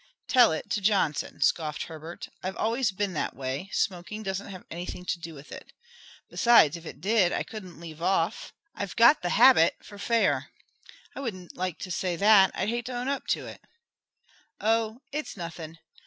"Tell it to Johnson," scoffed Herbert. "I've always been that way; smoking doesn't have anything to do with it. Besides, if it did I couldn't leave off. I've got the habit for fair." "I wouldn't like to say that; I'd hate to own up to it." "Oh, it's nothing.